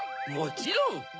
もちろん！